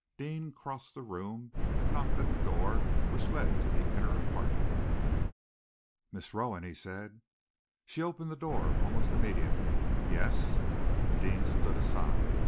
Deane crossed the room and knocked at the door which led to the inner apartment. "Miss Rowan," he said. She opened the door almost immediately. "Yes?" Deane stood aside.